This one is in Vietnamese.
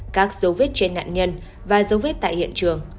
các dấu vết trên nạn nhân và dấu vết tại hiện trường